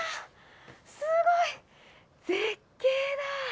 すごい！絶景だ！